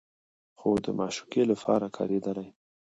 خو د معشوقې لپاره کارېدلي